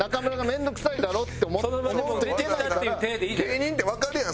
芸人ってわかるやん。